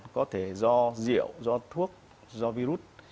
có thể do rượu do thuốc do virus